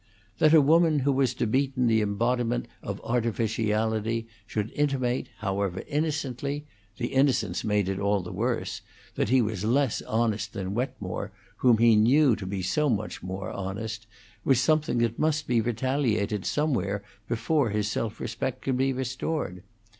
That a woman who was to Beaton the embodiment of artificiality should intimate, however innocently the innocence made it all the worse that he was less honest than Wetmore, whom he knew to be so much more honest, was something that must be retaliated somewhere before his self respect could be restored.